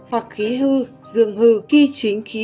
hoặc khí hư dương hư khi chính khí